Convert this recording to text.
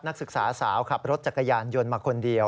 นักศึกษาสาวขับรถจักรยานยนต์มาคนเดียว